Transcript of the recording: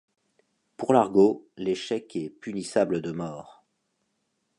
Pour Largo, l'échec est punissable de mort.